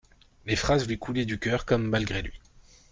Les phrases lui coulaient du cœur comme malgré lui.